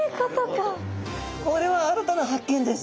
これは新たな発見です。